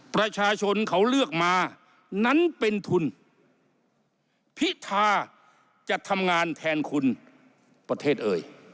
ประชาชนเขาเลือกมานั้นเป็นทุนพิธาจะทำงานแทนคุณประเทศเอ่ย